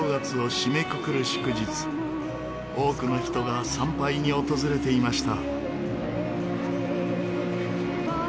多くの人が参拝に訪れていました。